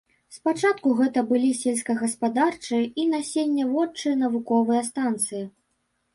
Спачатку гэта былі сельскагаспадарчыя і насенняводчыя навуковыя станцыі.